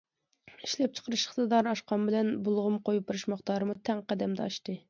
ئىشلەپچىقىرىش ئىقتىدارى ئاشقان بىلەن، بۇلغىما قويۇپ بېرىش مىقدارىمۇ تەڭ قەدەمدە ئاشتى.